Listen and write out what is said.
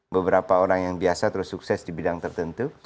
beberapa orang yang biasa terus sukses di bidang tertentu